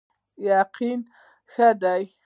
یقین ښه دی.